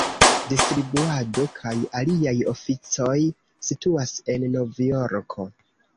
Distribuado kaj aliaj oficoj situas en Novjorko.